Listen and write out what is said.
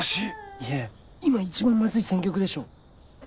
いや今一番マズい選曲でしょ。